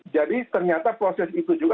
jadi ternyata proses itu juga